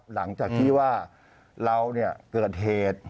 หลังจากที่ว่าเราเกิดเหตุ